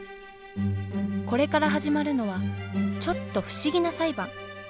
これから始まるのはちょっと不思議な裁判。